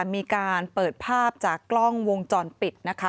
มีการเปิดภาพจากกล้องวงจรปิดนะคะ